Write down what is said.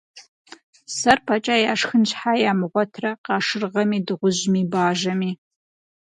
Сэр фӀэкӀа яшхын щхьэ ямыгъуэтрэ къашыргъэми, дыгъужьми, бажэми?